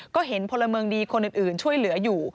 ก็เห็นพลเมืองดีคนอื่นช่วยเหลืออยู่